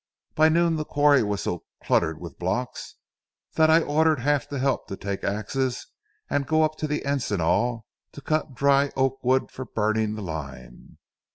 By noon the quarry was so cluttered with blocks that I ordered half the help to take axes and go to the encinal to cut dry oak wood for burning the lime.